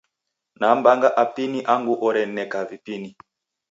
Nam'mbanga Apini angu oren'neka vipini.